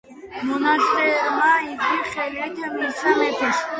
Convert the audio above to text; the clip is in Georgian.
მონასტერმა იგი ხელთ მისცა მეფეს.